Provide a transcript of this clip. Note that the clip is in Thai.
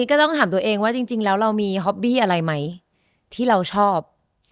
ก็ต้องถามตัวเองว่าจริงแล้วเรามีฮอปบี้อะไรไหมที่เราชอบ